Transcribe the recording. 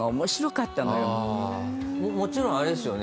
もちろんあれですよね？